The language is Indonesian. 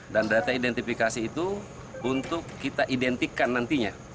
dan data identifikasi itu untuk kita identikkan nantinya